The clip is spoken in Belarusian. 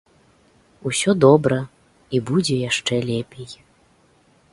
Усё добра і будзе яшчэ лепей.